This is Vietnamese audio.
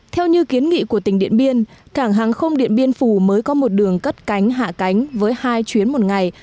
theo như kiến nghị của tỉnh điện biên cảng hàng không điện biên phủ mới có một đường cất cánh hạ cánh với hai chuyến một ngày